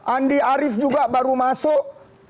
andi arief juga baru masuk